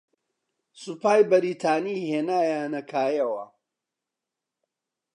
سوپای بەریتانی ھێنایانە کایەوە